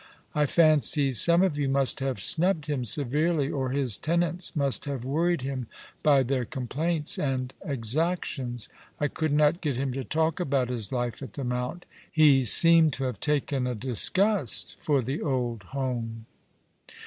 " I fancy some of you must have snubbed him severely, or his tenants must have worried him by their complaints and exac tions. I could not get him to talk about his life at the Mount. He seemed to have taken a disgust for the old home."